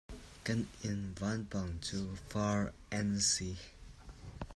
Kan inn vanpang cu far an si.